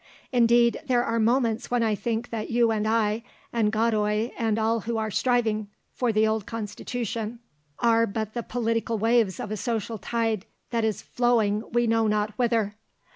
Indeed there are moments when I think that you and I and Godoy and all who are striving for the old Constitution, are but the political waves of a social tide that is flowing we know not whither.